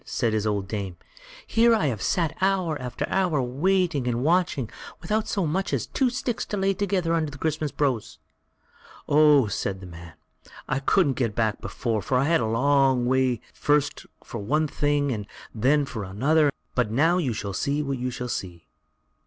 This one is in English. said his old dame; "here have I sat hour after hour waiting and watching, without so much as two sticks to lay together under the Christmas brose." "Oh!" said the man, "I couldn't get back before, for I had to go a long way first for one thing, and then for another; but now you shall see what you shall see."